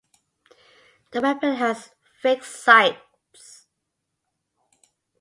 The weapon has fixed sights.